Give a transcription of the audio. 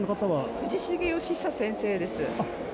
藤重佳久先生です。